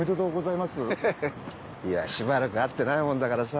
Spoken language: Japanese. いやしばらく会ってないもんだからさ。